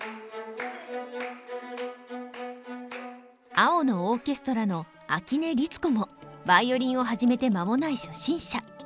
「青のオーケストラ」の秋音律子もヴァイオリンを始めて間もない初心者。